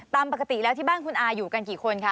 ตามปกติแล้วที่บ้านคุณอาอยู่กันกี่คนคะ